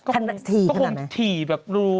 ก็คงถี่แบบดู